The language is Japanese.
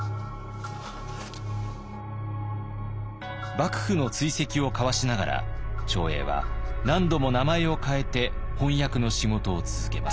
幕府の追跡をかわしながら長英は何度も名前を変えて翻訳の仕事を続けます。